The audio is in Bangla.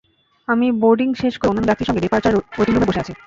আমি বোর্ডিং শেষ করে অন্যান্য যাত্রীর সঙ্গে ডেপারচার ওয়েটিং রুমে বসে আছি।